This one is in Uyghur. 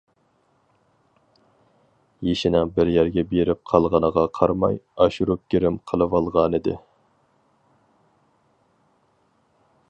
يېشىنىڭ بىر يەرگە بېرىپ قالغىنىغا قارىماي، ئاشۇرۇپ گىرىم قىلىۋالغانىدى.